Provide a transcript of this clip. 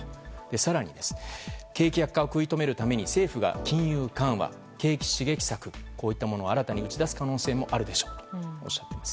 更に景気悪化を食い止めるために金融緩和、景気刺激策といったものを新たに打ち出す可能性もあるでしょうとおっしゃっています。